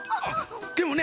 でもね